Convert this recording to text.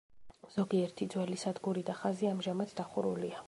ზოგიერთი ძველი სადგური და ხაზი ამჟამად დახურულია.